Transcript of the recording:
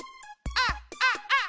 あっあっあっ！